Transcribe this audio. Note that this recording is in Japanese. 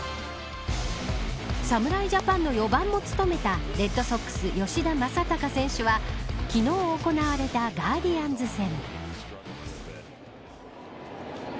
侍ジャパンの４番も務めたレッドソックス、吉田正尚選手は昨日行われたガーディアンズ戦。